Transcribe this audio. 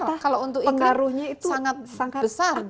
pengaruhnya itu sangat besar